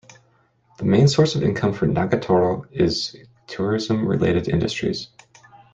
The main source of income for Nagatoro is tourism-related industries.